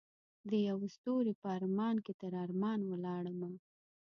دیوه ستوری په ارمان کې تر ارمان ولاړمه